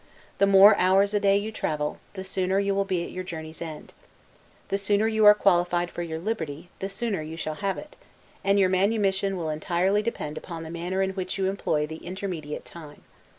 The more hours a day you travel, the sooner you will be at your journey's end. The sooner you are qualified for your liberty, the sooner you shall have it; and your manumission will entirely depend upon the manner in which you employ the intermediate time.